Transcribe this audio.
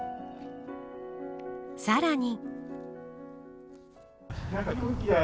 さらに。